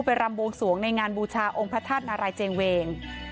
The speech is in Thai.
รำบวงสวงในงานบูชาองค์พระธาตุนารายเจงเวง